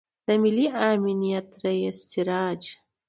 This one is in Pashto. د ملي امنیت رئیس سراج